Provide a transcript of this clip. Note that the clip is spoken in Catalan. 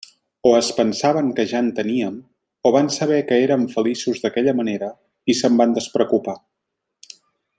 O es pensaven que ja en teníem, o van saber que érem feliços d'aquella manera i se'n van despreocupar.